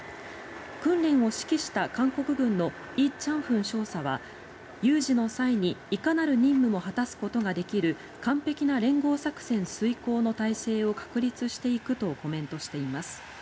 訓練を指揮した韓国軍のイ・チャンフン少佐は有事の際にいかなる任務も果たすことができる完璧な連合作戦遂行の態勢を確立していくとコメントしています。